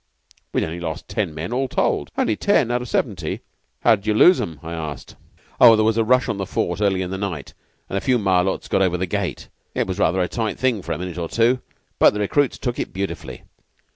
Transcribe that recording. We'd only lost ten men, all told." "Only ten, out of seventy. How did you lose 'em?" I asked. "Oh, there was a rush on the fort early in the night, and a few Malôts got over the gate. It was rather a tight thing for a minute or two, but the recruits took it beautifully.